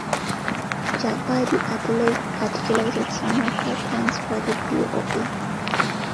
Javadi articulated some of her plans for the DoE.